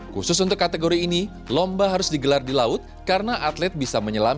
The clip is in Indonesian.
khusus untuk kategori ini lomba harus digelar di laut karena atlet bisa menyelam